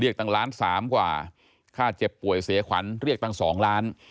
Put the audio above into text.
ตั้งล้านสามกว่าค่าเจ็บป่วยเสียขวัญเรียกตั้ง๒ล้าน